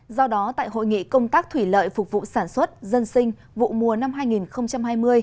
do đó tại hội nghị công tác thủy lợi phục vụ sản xuất dân sinh vụ mùa năm hai nghìn hai mươi